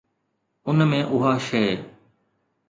ان ۾ اها شيءِ